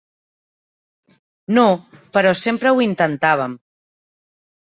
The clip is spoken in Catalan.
No, però sempre ho intentàvem.